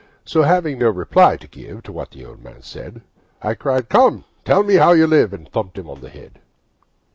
So having no reply to give To what the old man said, I cried 'Come, tell me how you live!' nd thumped him on the head.